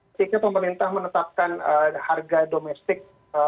ketika pemerintah menetapkan harga domestik